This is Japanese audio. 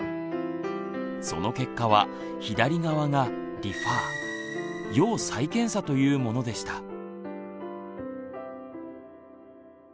その結果は左側が「リファー」要再検査というものでした。